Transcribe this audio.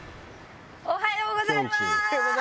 おはようございます。